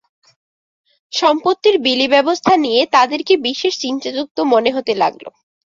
সম্পত্তির বিলি-ব্যবস্থা নিয়ে তাদেরকে বিশেষ চিন্তাযুক্ত মনে হতে লাগল।